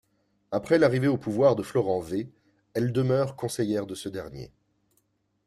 Après l'arrivée au pouvoir de Florent V, elle demeure conseillère de ce dernier.